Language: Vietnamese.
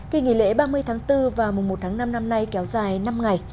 kỳ nghỉ lễ ba mươi tháng bốn và mùa một tháng năm năm nay kéo dài năm ngày